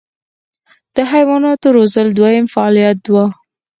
د حیواناتو روزل دویم فعالیت و.